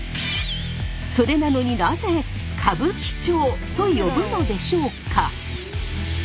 それなのになぜ歌舞伎町と呼ぶのでしょうか？